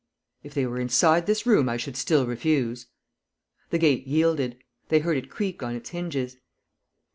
"If they were inside this room I should still refuse." The gate yielded. They heard it creak on its hinges.